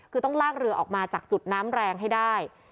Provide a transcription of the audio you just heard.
คือต้องลากเรือออกมาจากจุดน้ำแรงให้ได้